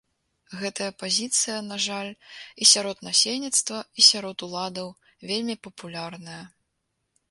Гэтая пазіцыя, на жаль, і сярод насельніцтва, і сярод уладаў вельмі папулярная.